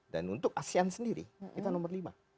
dan untuk asean sendiri kita nomor lima